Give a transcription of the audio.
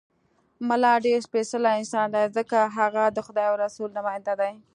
ملا ډېر سپېڅلی انسان دی، ځکه هغه د خدای او رسول نماینده دی.